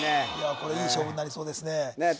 これいい勝負になりそうですねねえ